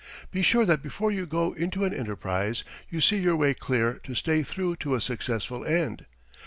Be sure that before you go into an enterprise you see your way clear to stay through to a successful end.